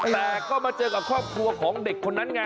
แต่ก็มาเจอกับครอบครัวของเด็กคนนั้นไง